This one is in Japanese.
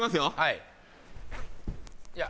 いや。